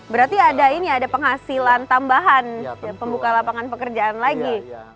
berarti ada ini ada penghasilan tambahan pembuka lapangan pekerjaan lagi